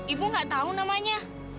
ibu gak tau namanya